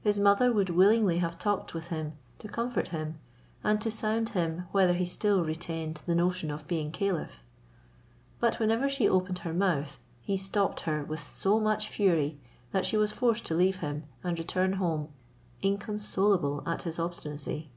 His mother would willingly have talked with him, to comfort him, and to sound him whether he still retained the notion of being caliph; but whenever she opened her mouth, he stopped her with so much fury, that she was forced to leave him, and return home inconsolable at his obstinacy.